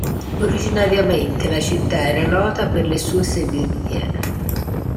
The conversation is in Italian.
Originariamente, la città era nota per le sue segherie.